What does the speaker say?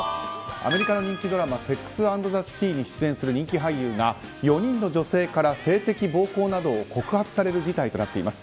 アメリカの人気ドラマ「セックス・アンド・ザ・シティ」に出演する人気俳優が４人の俳優から性的暴行を告発される事態となっています。